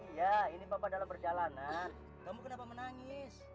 iya ini papa dalam perjalanan kamu kenapa menangis